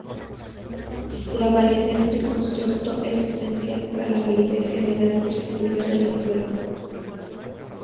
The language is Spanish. La validez de constructo es esencial para la validez general percibida de la prueba.